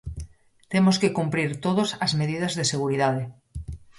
Temos que cumprir todos as medidas de seguridade.